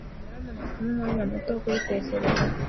Nyamuneka umpe umwanya muto wo kubitekerezaho.